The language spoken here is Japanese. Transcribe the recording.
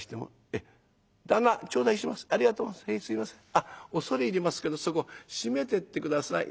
「あっ恐れ入りますけどそこ閉めてって下さい。